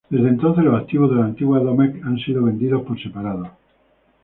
Desde entonces los activos de la antigua Domecq han sido vendidos por separado.